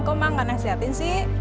kok emang enggak nasihatin sih